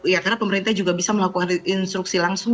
ya karena pemerintah juga bisa melakukan instruksi langsung